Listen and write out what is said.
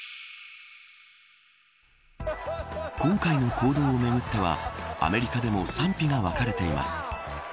今回の行動をめぐってはアメリカでも賛否が分かれています。